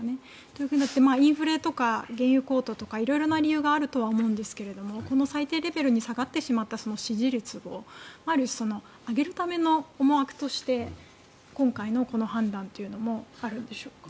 そうなってインフレとか原油高騰とか色々な理由があるとは思うんですけどこの最低レベルに下がってしまった支持率をある種、上げるための思惑として今回のこの判断というのもあるんでしょうか？